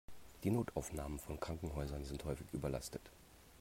Die Notaufnahmen von Krankenhäusern sind häufig überlastet.